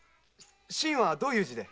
「しん」はどういう字で？